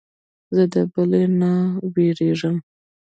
زه د بلې نه وېرېږم.